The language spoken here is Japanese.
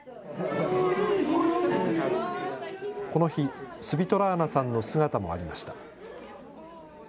この日、スヴィトラーナさんの姿もありました。